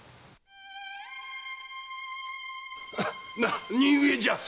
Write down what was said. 何故じゃ鶴。